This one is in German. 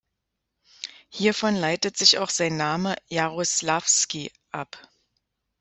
Hiervon leitet sich auch sein Name "Jaroslawski" ab.